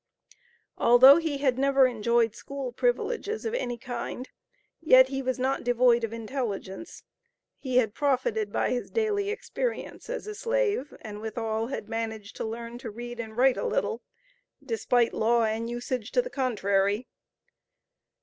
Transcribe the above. Although he had never enjoyed school privileges of any kind, yet he was not devoid of intelligence. He had profited by his daily experience as a slave, and withal, had managed to learn to read and write a little, despite law and usage to the contrary.